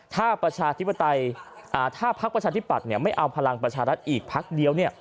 ถ้าพรรคประชาธิบัติไม่เอาพลังประชารัฐอีกพักเดียว